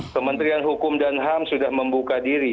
kementerian hukum dan ham sudah membuka diri